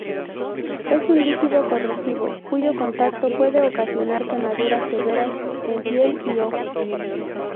Es un líquido corrosivo, cuyo contacto puede ocasionar quemaduras severas en piel y ojos.